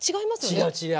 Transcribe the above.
違う違う。